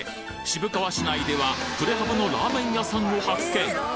渋川市内ではプレハブのラーメン屋さんを発見！